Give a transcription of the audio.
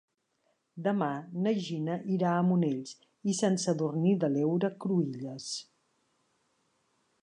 Demà na Gina irà a Monells i Sant Sadurní de l'Heura Cruïlles.